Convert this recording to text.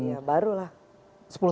iya baru lah